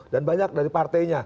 dan banyak dari partainya